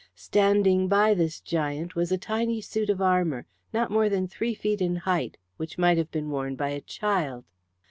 Standing by this giant was a tiny suit of armour, not more than three feet in height, which might have been worn by a child.